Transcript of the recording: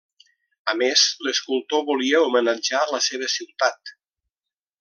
A més, l'escultor volia homenatjar la seva ciutat.